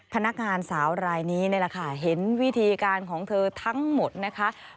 พนักงานสาวรายนี้นี่แหละค่ะเห็นวิธีการของเธอทั้งหมดนะคะ